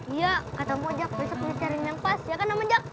iya kata mojok besok cariin yang pas ya kan om mojok